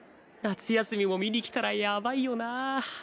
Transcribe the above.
夏休みも見に来たらヤバいよな